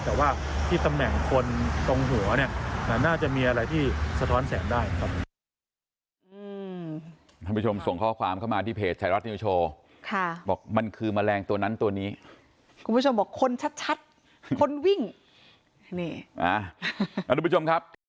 แต่ว่าที่ตำแหน่งคนตรงหัวเนี่ยน่าจะมีอะไรที่สะท้อนแสงได้ครับ